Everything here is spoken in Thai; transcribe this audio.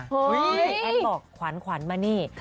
แอลล์บอกขวัญมานี่